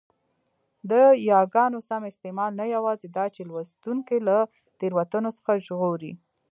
د یاګانو سم استعمال نه یوازي داچي لوستوونکی له تېروتنو څخه ژغوري؛